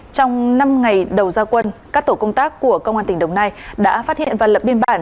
trong năm ngày đầu gia quân các tổ công tác của công an tỉnh đồng nai đã phát hiện và lập biên bản